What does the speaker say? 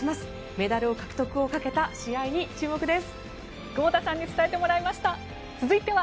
メダル獲得をかけた試合に注目です。